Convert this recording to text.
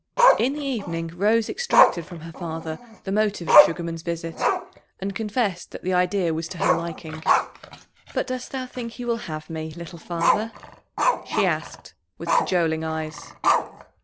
In the evening Rose extracted from her father the motive of Sugarman's visit, and confessed that the idea was to her liking. "But dost thou think he will have me, little father?" she asked, with cajoling eyes.